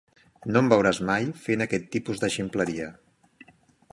No em veuràs mai fent aquest tipus de ximpleria.